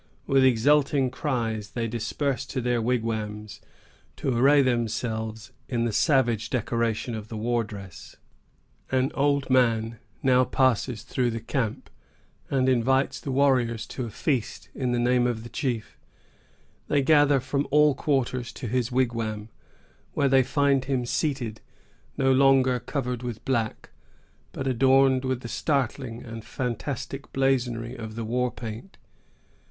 With exulting cries they disperse to their wigwams, to array themselves in the savage decorations of the war dress. An old man now passes through the camp, and invites the warriors to a feast in the name of the chief. They gather from all quarters to his wigwam, where they find him seated, no longer covered with black, but adorned with the startling and fantastic blazonry of the war paint.